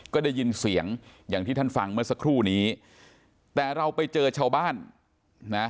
ก็ได้ยินเสียงอย่างที่ท่านฟังเมื่อสักครู่นี้แต่เราไปเจอชาวบ้านนะ